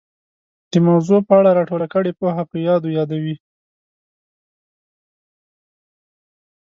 د موضوع په اړه را ټوله کړې پوهه په یادو یادوي